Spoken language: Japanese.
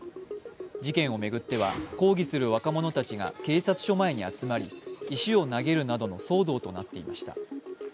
事件を巡っては抗議する若者たちが警察署前に集まり石を投げるなどの騒動となっていました。